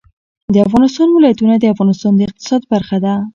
د افغانستان ولايتونه د افغانستان د اقتصاد برخه ده.